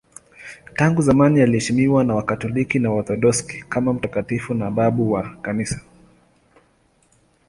Tangu zamani anaheshimiwa na Wakatoliki na Waorthodoksi kama mtakatifu na babu wa Kanisa.